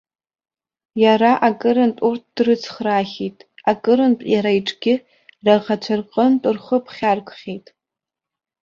Иара акырынтә урҭ дрыцхраахьеит, акырынтә иара иҿгьы раӷацәа рҟнытә рхы ԥхьаркхьеит.